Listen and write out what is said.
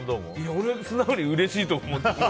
俺、素直にうれしいと思う。